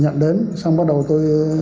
nhận đến xong bắt đầu tôi